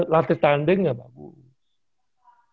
latih tandeng gak bagus